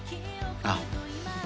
ああ。